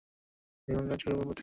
নির্মাণ কাজ শুরু হবার পথে।